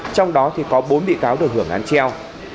trong đó thì có bốn bị cáo được hưởng án treo